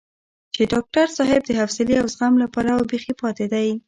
چې ډاکټر صاحب د حوصلې او زغم له پلوه بېخي پاتې دی.